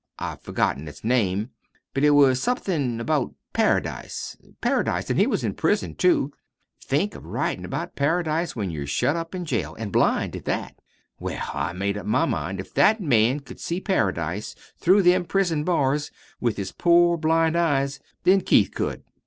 I've forgotten its name, but it was somethin' about Paradise. PARADISE an' he was in prison, too. Think of writin' about Paradise when you're shut up in jail an' blind, at that! Well, I made up my mind if that man could see Paradise through them prison bars with his poor blind eyes, then Keith could.